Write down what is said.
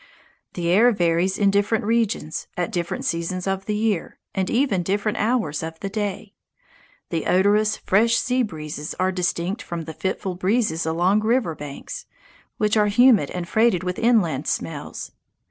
The air varies in different regions, at different seasons of the year, and even different hours of the day. The odorous, fresh sea breezes are distinct from the fitful breezes along river banks, which are humid and freighted with inland smells.